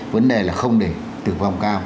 vấn đề là không để tử vong cao